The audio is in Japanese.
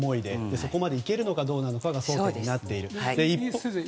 そこまで行けるのかどうかが争点になっている。